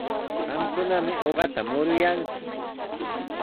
Qamkunami uqata muruyanki.